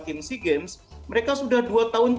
tim sea games mereka sudah dua tahun